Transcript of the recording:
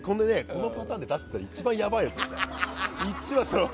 このパターンで出してたら一番やばいでしょ。